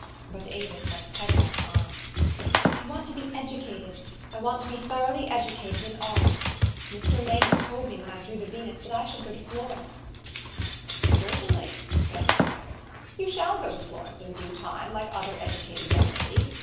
But Avis went headlong on, " I want to be educated. I want to be thoroughly educated in art. Mr. Maynard told me, when 1 drew the Venus, that I should go to Florence." THE STORY OF AVIS. 61 " Certainly, " said her father, "you shall go to Florence in due time, like other educated young ladies.